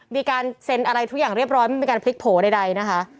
มีการเซ็นอะไรทุกอย่างเรียบร้อยไม่มีการพลิกโผล่ใดนะคะ